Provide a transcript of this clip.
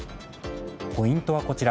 ポイントはこちら。